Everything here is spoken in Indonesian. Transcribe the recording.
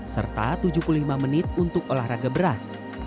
serta tujuh puluh lima menit untuk olahraga berat